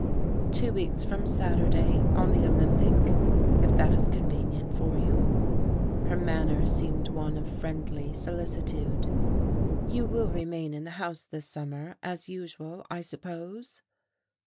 "Two weeks from Saturday on the Olympic, if that is convenient for you." Her manner seemed one of friendly solicitude. "You will remain in the house this summer, as usual, I suppose?"